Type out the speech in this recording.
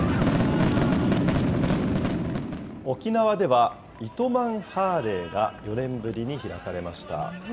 沖縄では、糸満ハーレーが４年ぶりに開かれました。